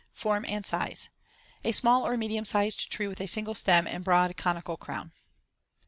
Form and size: A small or medium sized tree with a single stem and broad conical crown.